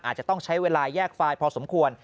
อาจจะต้องใช้เวลาแยกไฟล์พอสมควร